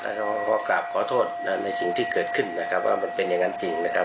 แล้วก็ขอกราบขอโทษในสิ่งที่เกิดขึ้นนะครับว่ามันเป็นอย่างนั้นจริงนะครับ